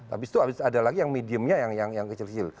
habis itu habis ada lagi yang mediumnya yang kecil kecil